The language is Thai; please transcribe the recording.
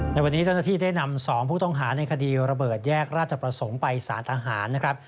ในวันนี้เจ้าหน้าที่ได้นำ๒ผู้ต้องหาในคดีระเบิดแยกราชประสงค์ไปสารทหารนะครับ